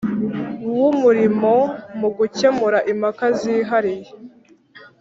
w Umurimo mu gukemura impaka zihariye